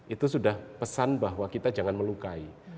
itu sudah pesan bahwa kita jangan melukai